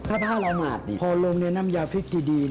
ถ้าผ้าเราหมากพอลมในน้ำยาพริกที่ดี